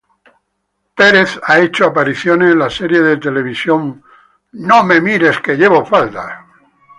Greer ha hecho apariciones en las series de televisión "Just Shoot Me!